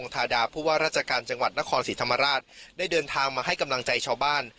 ทาดาผู้ว่าราชการจังหวัดนครศรีธรรมราชได้เดินทางมาให้กำลังใจชาวบ้าน